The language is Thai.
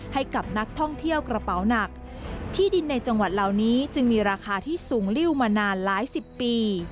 ให้กับนักท่องเที่ยวกระเป๋าหนักที่ดินในจังหวัดเหล่านี้จึงมีราคาที่สูงริ้วมานานหลายสิบปี